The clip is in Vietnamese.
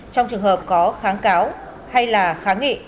trong trường hợp có kháng cáo hay là kháng nghị